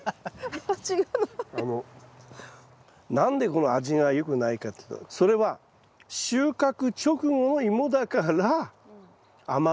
何でこの味が良くないかっていうとそれは収穫直後の芋だから甘みが若干少ない。